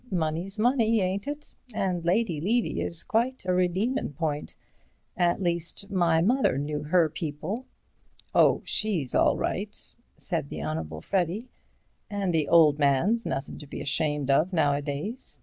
Money's money, ain't it? And Lady Levy is quite a redeemin' point. At least, my mother knew her people." "Oh, she's all right," said the Honourable Freddy, "and the old man's nothing to be ashamed of nowadays.